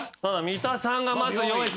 三田さんがまず４位。